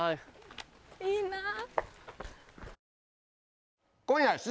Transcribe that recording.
いいなぁ。